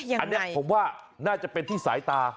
อันนี้ผมว่าน่าจะเป็นที่สายตา